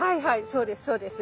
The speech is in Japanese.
そうですそうです。